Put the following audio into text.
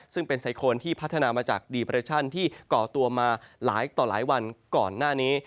ซึ่งเป็นไซโคนที่พัฒนามาจากดีเปรชั่นที่ก่อตัวมาหลายต่อหลายวันก่อนหน้านี้